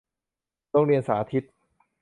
โรงเรียนสาธิต